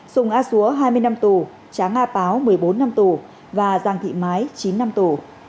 sùng a xúa hai mươi năm tù trá nga páo một mươi bốn năm tù và giang thị mái chín năm tù